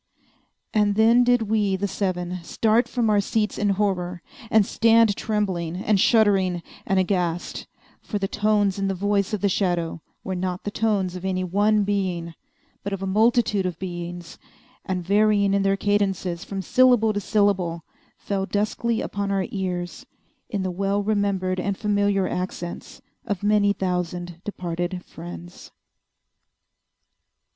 And then did we, the seven, start from our seats in horror, and stand trembling, and shuddering, and aghast, for the tones in the voice of the shadow were not the tones of any one being, but of a multitude of beings, and, varying in their cadences from syllable to syllable fell duskly upon our ears in the well remembered and familiar accents of many thousand departed friends.